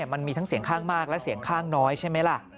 มันมีทั้งเสียงข้างมากและเสียงข้างน้อยใช่ไหมล่ะ